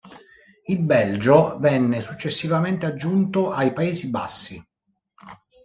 Il Belgio venne successivamente aggiunto ai Paesi Bassi.